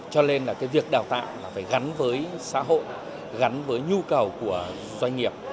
cho nên việc đào tạo phải gắn với xã hội gắn với nhu cầu của doanh nghiệp